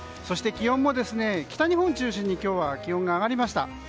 そして気温も北日本を中心に今日は気温が上がりました。